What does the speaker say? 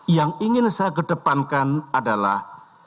yang ingin saya kedepankan adalah